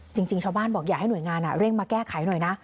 จริงชาวบ้านบอกอยากให้หน่วยงานเร่งมาแก้ไขหน่อยนะ